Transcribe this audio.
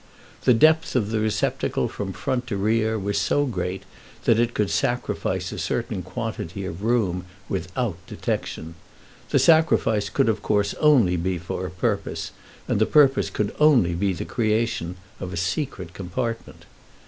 The depth of the receptacle from front to rear was so great that it could sacrifice a certain quantity of room without detection. The sacrifice could of course only be for a purpose, and the purpose could only be the creation of a secret compartment.